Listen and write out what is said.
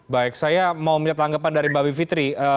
baik saya mau mencetak tanggapan dari mbak bibitri